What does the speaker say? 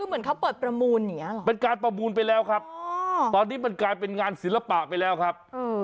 มันกาลประมูลไปแล้วครับตอนนี้มันกาลเป็นงานศิลปะไปแล้วครับ